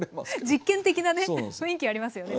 実験的なね雰囲気ありますよね